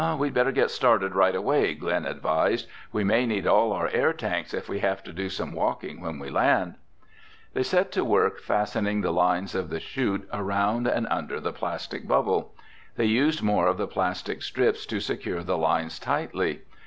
"We'd better get started right away," Glen advised. "We may need all our air tanks if we have to do some walking when we land." They set to work fastening the lines of the chute around and under the plastic bubble. They used more of the plastic strips to secure the lines tightly.